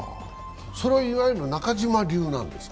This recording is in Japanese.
それは、いわゆる中嶋流なんですか？